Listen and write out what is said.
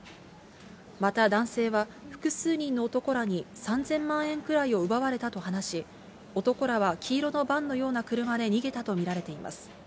また男性は、複数人の男らに３０００万円くらいを奪われたと話し、男らは黄色のバンのような車で逃げたと見られています。